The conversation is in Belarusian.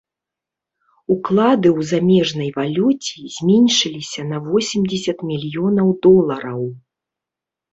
Уклады ў замежнай валюце зменшыліся на восемдзесят мільёнаў долараў.